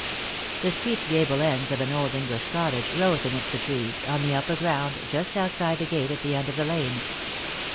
The steep gable ends of an old English cottage rose amidst the trees, on the upper ground just outside the gate at the end of the lane.